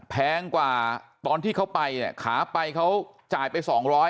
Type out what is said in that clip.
แพงกว่าตอนที่เขาไปเนี่ยขาไปเขาจ่ายไป๒๐๐